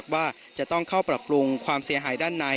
ว่าจะต้องเข้าปรับปรุงความเสียหายด้านใน